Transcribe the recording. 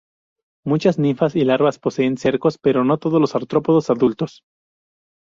Muchas ninfas y larvas poseen cercos, pero no todos los artrópodos adultos.